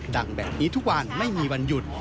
ดังแบบนี้ทุกวันไม่มีวันหยุด